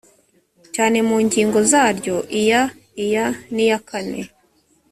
cyane mu ngingo zaryo iya iya n iyakane